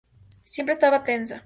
Siempre estaba tensa.